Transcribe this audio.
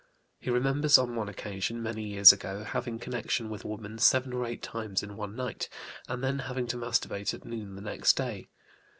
He remembers on one occasion, many years ago, having connection with a woman seven or eight times in one night, and then having to masturbate at noon the next day.